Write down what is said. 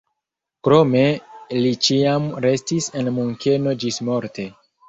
Krome li ĉiam restis en Munkeno ĝismorte.